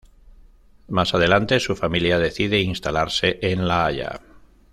Más adelante su familia decide instalarse en La Haya.